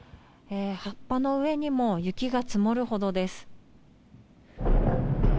葉っぱの上にも雪が積もるほどです。